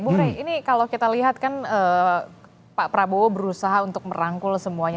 bu rey ini kalau kita lihat kan pak prabowo berusaha untuk merangkul semuanya